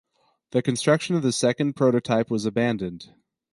The construction of the second prototype was abandoned.